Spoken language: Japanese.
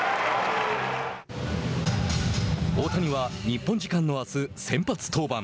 大谷は、日本時間のあす先発登板。